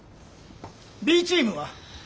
Ｂチームは。